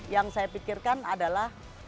yang saya pikirkan adalah